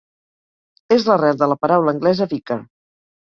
És l'arrel de la paraula anglesa "vicar".